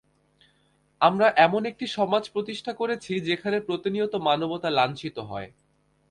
আমরা এমন একটি সমাজ প্রতিষ্ঠা করেছি, যেখানে প্রতিনিয়ত মানবতা লাঞ্ছিত হয়।